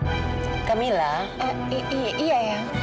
enggak mila gak kenapa kenapa